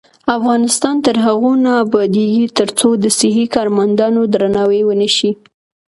افغانستان تر هغو نه ابادیږي، ترڅو د صحي کارمندانو درناوی ونشي.